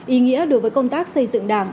ý nghĩa đối với công tác xây dựng đảng